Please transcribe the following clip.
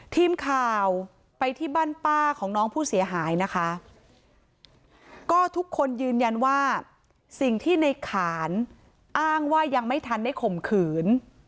ทีมข่าวไปที่บ้านป้าของน้องผู้เสียหายนะคะก็ทุกคนยืนยันว่าสิ่งที่ในขานอ้างว่ายังไม่ทันได้ข่มขืน